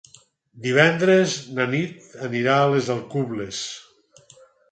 Divendres na Nit anirà a les Alcubles.